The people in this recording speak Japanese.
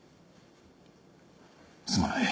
すまない。